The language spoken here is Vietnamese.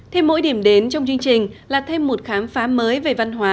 thêm mỗi điểm đến trong chương trình là thêm một khám phá mới về văn hóa